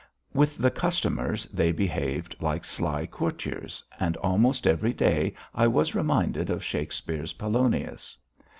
With the customers they behaved like sly courtiers, and almost every day I was reminded of Shakespeare's Polonius.